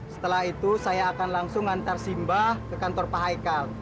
setelah itu saya akan langsung antar simbah ke kantor pak haikal